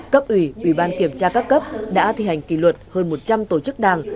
cấp ủy ủy ban kiểm tra các cấp đã thi hành kỳ luật hơn một trăm linh tổ chức đảng